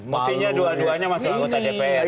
mestinya dua duanya masuk anggota dpr